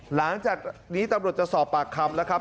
หลังจากนี้ตำรวจจะสอบปากคำแล้วครับ